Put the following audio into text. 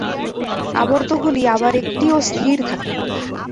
আবর্তগুলি আবার একটিও স্থির থাকে না।